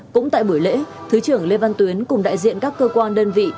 cũng tại buổi lễ thứ trưởng lê văn tuyến cùng đại diện các cơ quan đơn vị